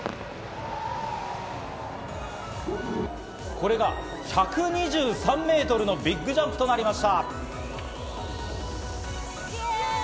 これが１２３メートルのビッグジャンプとなりました。